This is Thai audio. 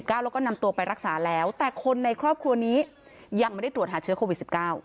แล้วก็นำตัวไปรักษาแล้วแต่คนในครอบครัวนี้ยังไม่ได้ตรวจหาเชื้อโควิด๑๙